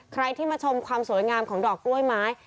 ใครที่มาชมความสวยงามของดอกกล้วยไม้